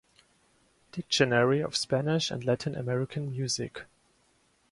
Dictionary of Spanish and Latin American music.